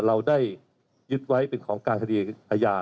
เราได้ยึดไว้เป็นของกลางคดีอาญา